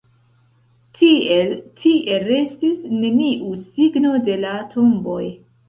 Tiel tie restis neniu signo de la tomboj.